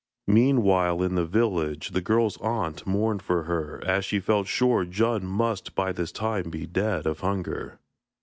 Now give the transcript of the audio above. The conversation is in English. Meanwhile, in the village the girl's aunt mourned for her, as she felt sure Djun must by this time be dead of hunger.